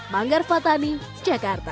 manggar fatani jakarta